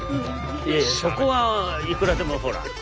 いやいやそこはいくらでもほら。